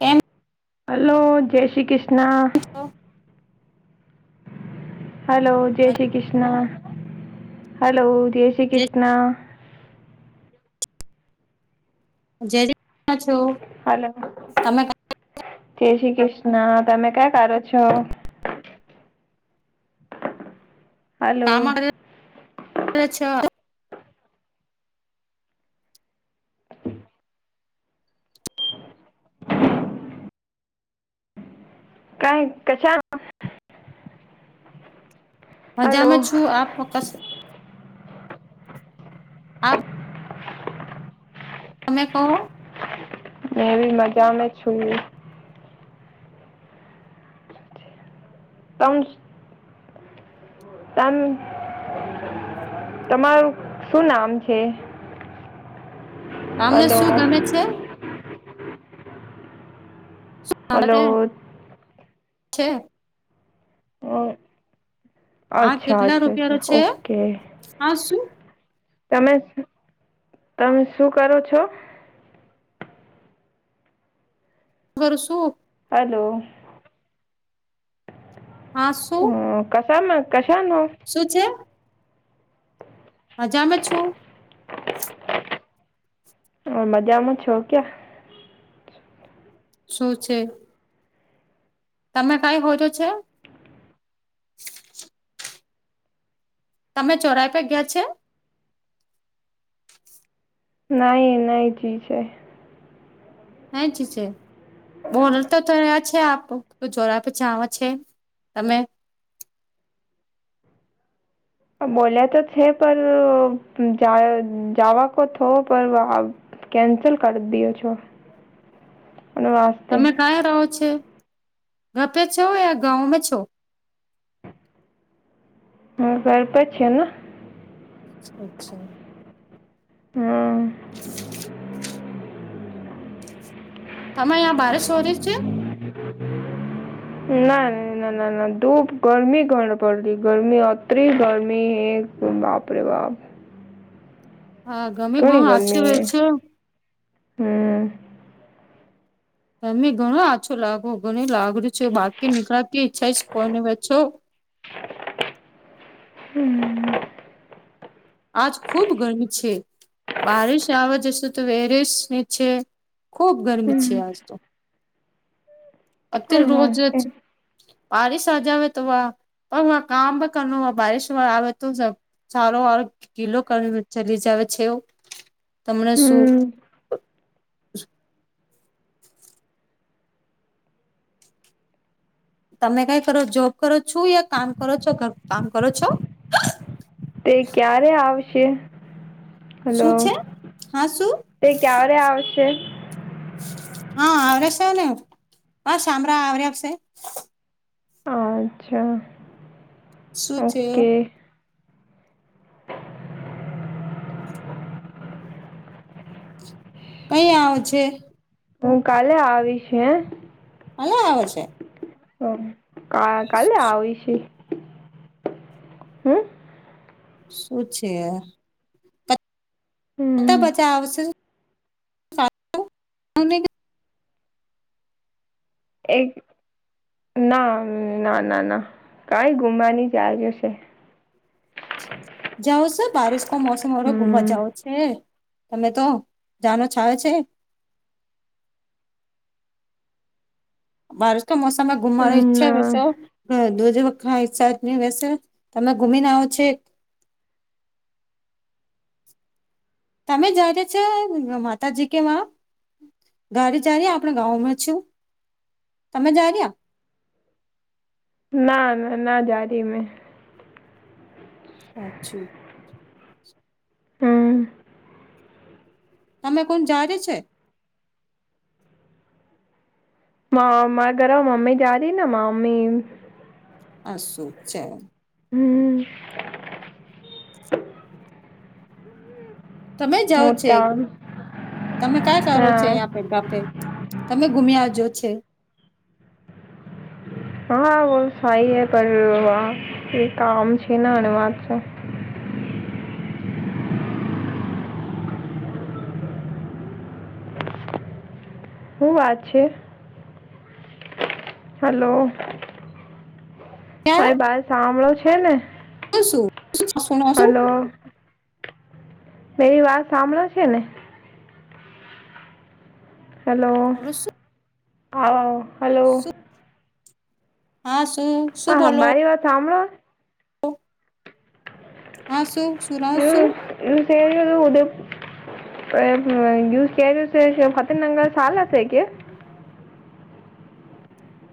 એમ hello જય શ્રી કૃષ્ણ છો hello જય શ્રી કૃષ્ણ હલો જય શ્રી કૃષ્ણ જય છો હલો તમે જય શ્રી કૃષ્ણ તમે ક્યા કરો છો. હલો કામ કર છ. કઈ કશા હલો મજામાં જ છુ, આપ ક આબ તમે કહો મેવી મજા મેં છુઈએ. તમ સ તમ -તમારું શું નામ છે. તમને હલો શું ગમે છે. માગ હલો છે. અ- આ અચ્છા કેટલા અચ્છા રૂપિયાનો અચ્છા છે ઓકે આ શુ તમે -તમે શું કરો છો. ક રુ શુ હલો હા સ હ- કશમા કશાનુ શું છે. મજામાં જ છુ. તો મજામાં છો, ક્યા શું છે. તમે કઈ હોજુ છે. તમે ચોરાઈ પે ગયા છે. નાહી નહીં ચીજે નહીં ચીજે છે, બોહુ રડ તો તો આજ છે આપો તો ચોરાએ પે જોવે છે અમે અ બોલ્યા તો છે, પર-જા વ જવા કો થો પર વ આ કેન્સલ કરી દિયો છો, -અને વા તમે કંયા રહો છો, ગપે છો યા ગાઉમે છો. હમ ગ પે છે. અચ્છા હા આ તમે અહીંયા ભારત સો રી છે. હમ [inaudible] ના ના ના ના ના ધૂપ ગરમી ઘણ પડતી ગરમી અત્રી ગરમી હે હ બાપ રે બાપ હા ગમી બહુ ઘણી હચો વચ્યો હમ્મ. તન બી ગમી ઘણો આછો લાગો ઘણી લાગડી છો બાકી નીકાળતી ઈચ્છાશ કોની વે છો. હમ્મ. આજ ખૂબ ગરમી છે. બારીશ આવવા જશે તો વેરેસ શું છે ખૂબ ગરમી છે આજ તો. હા [inaudible] અતીર રોજ જ બારિશ આજાવે તો વા પણ મારે કામ કરનો બારિશ આવે તો જ સારો વાળો ગીલો કરીને ચગે ચલી જાવે છેવ તમને શું? હમ તમે કઈ કરો જોબ કરો છો યા કામ કરો છો ઘર કામ કરો છો? તે ક્યારે આવશે? હલો, શું છે હા શું તે ક્યારે આવશે? હા આવે શેને આ શામળા આવરયાશે. અચ્છા. શું થયું? ઓકે કઈ આવે છે? હું કાલે આવીશ હે. કાલે આવે છે? હ કા કાલે આવીશે હમ્મ. શું છે? તા હમ પછા આવશે. અને એક ના ના ના ના કાઈ ગુમાંની ચાલ જશે. જાઉ છે બારિશ કા મોસમ વણ ઘુમવા હમ જાઉ શે. હે અમે તો જાનો છાવે છે. બારિશ કો મોસમ હે ઘુમાવારી ઈચ્છા વૈ ના જાઓ દૂધ વખ સાત દિન વૈસે. તમે ઘુમીને આવો છે. તમે જાઈતે છે માતાજી કે વા. ગાડી ચારી્યા આપણા ગાવમાં છું તમે જારર્યા? ના ના ના જારયા મેં. પાછું. હમ્મ. તમે કોણ જ્યારયા છે? હો માર ઘરે મમ્મી જારીને માર મમ્મી આ શું છે? હમ્મ. તમે જાઓ છે કે તમે કા જારો છે યાંપે ગાપે? તમે ગુમ્યા યાવજો છે. હા વો સઈ હે પર વહા એ કામ છે ણ અણુ વાત છે. હું વાત છે? હલો. મારી બાત સાંભળો છે ને? તો શું શુંનો શું. હલો મેરી વાત સાંભળો છે ને? હલો બોલો શું અ હલો. શું હા શું? શું હા બોલો હમારી વાત હાભળો. [inaudible] હા શું સુના શું? હમ્મ સેરી ઉદ યશ કેય રહ્યો છે કે ફતેનંગર ચાલુ હશે કે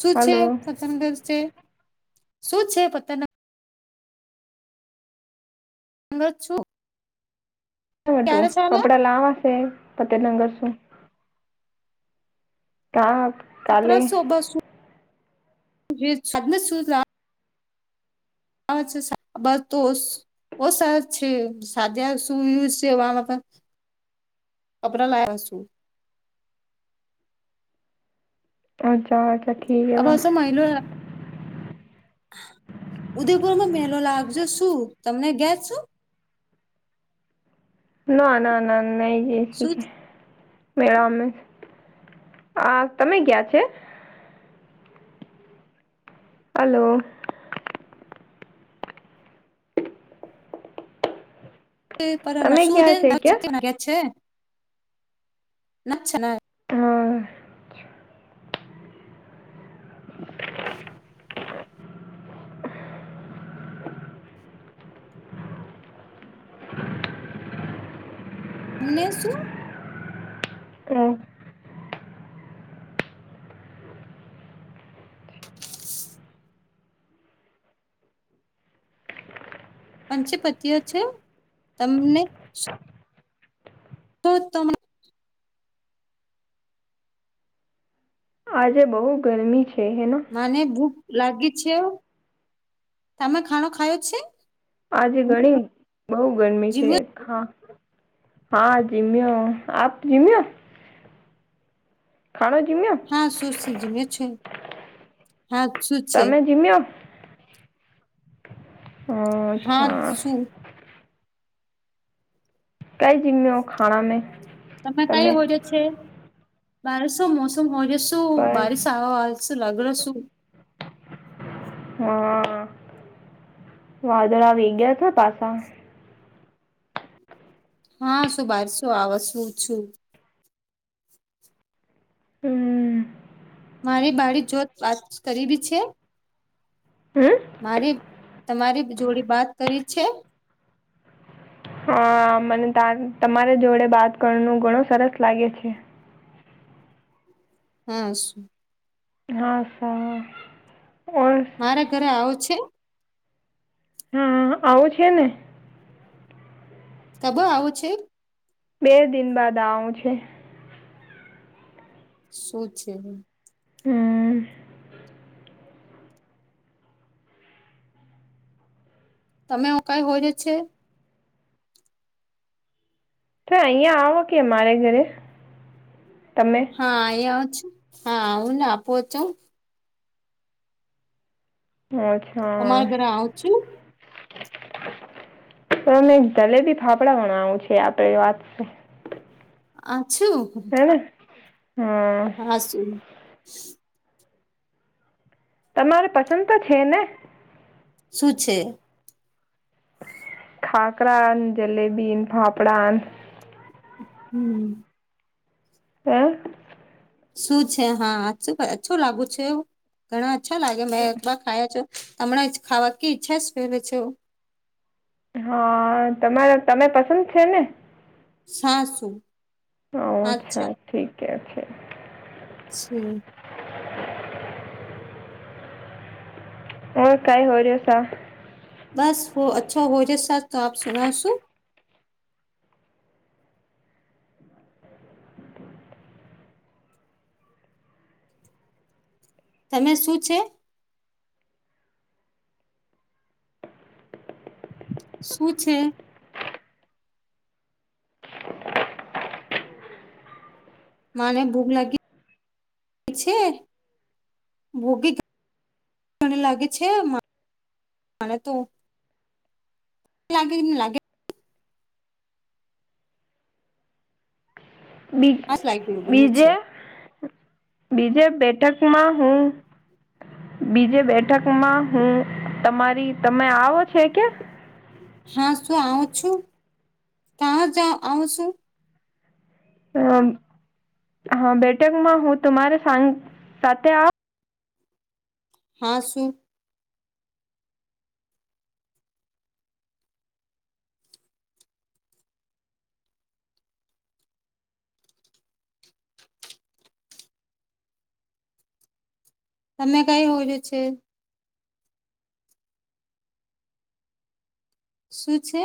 શું છે હલો ફતેનગર છે શું છે ફતેન હલ્લો શું? હતું કપડા લાવા શે પતેનંગર શું કા કાલે કપડા સોભા શું જે સદમસૂર લા અચ સા બતોસ બઉ સરસ છે સાજા સૂઝ છે વા પણ કપડા લાયા શું. અચ્છા. ઠીક હે વાહ આસો મહિનો ઉદયપુરમાં મેલો લાગજો શું તમને ગયા છો. ના ના ના નહી ગેય કશે. શું મેળામે આ તમે ગયાં છે. હલો. તમે ગયા છે [unintelligible] કે ના છે ના હા. ને શું. પ્ર પંચ પતિઓ છે તમને તો તમને આજે બહું ગરમી છે હેનો? મને ભૂખ લાગી છે તમે ખાણો ખાયો છે? આજે ઘણી બઉ ગરમી છે. જીમ્યો હા હા જીમ્યો આપ જીમ્યો? હાળો જીમ્યો આ શું સૂચવે છે. સાચું જ તમે જીમ્યો હ હા અચ્છા શું કાઈ જીમ્યો ખાણા મેં? તમે કાઈ [unintelligible] બાર શું મોસમ હો શું બસ બારીશ આવશે લાગેલુ શું હા. વાદળ આવી ગયા હતા પાછા હા શું બારીશ આવશે છું. હમ્મ. મારી બારી જોત વાત કરીબી છે. હમ મારી તમારી જોડી બાત કરી છે? હા મને તાન તમારે જોડે બાત કરવાનું ઘણું સરસ લાગે છે. હા શું? હા સારા બોલ મારા ઘરે આવું છે? હમ્મ આવું છે ને. કબ આવું છે? બે દિન બાદ આવું છે. શું છે. હમ્મ. તમે કાઈ હોર્યો છે? તો અહીંયા આવો કે મારે ઘરે તમે હા અહીંયા છું. હા આવોને અચ્છા અમારા ઘરે આવું છે? પણ મે જલેબી ફાફડા બનાવું છે આપણે વાત છે. અછું. હમમમ આસું. તમારે પસંદ તો છે ને? શું છે! ઠાકરા, જલેબી, ફાફડા હમમમ હૈ! શું છે હા અછું લાગુ છે એવ. ઘણા અચ્છા લાગે મેં એકવાર ખાયા છે. અમણાં જ ખાવાની ઈચ્છા કરે છે. હા તમારા તને પસંદ છે ને? સાસો અચ્છા, આછા, ઠીક હે છે છે [unintelligible] બસ અચ્છો તો આપ સુનાશું. તમે શું છે? શું છે? માને ભૂખ લાગી છે. ભોગી મને લાગે છે તો લાગે, લાગે બ આ લાગ્યું બન્યું છે બીજે બીજે બેઠકમાં હું બીજે બેઠકમાં હું તમારી તમે આવો છે કે. હા, શું આવઉ છું તં જ આવઉ છું? અ હા બેઠકમાં હું તુરે સાંગ સાથે આપ હાસું? તમે કઈ હોય છે. સુું છે?